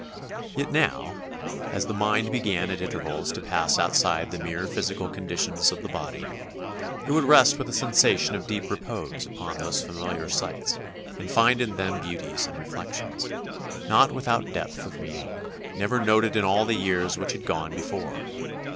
Yet now, as the mind began at intervals to pass outside the mere physical conditions of the body, it would rest with a sensation of deep repose upon these familiar sights and find in them beauties and reflections, not without depth of meaning, never noted in all the years which had gone before.